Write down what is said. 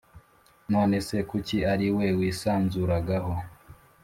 none se kuki ari we wisanzuragaho?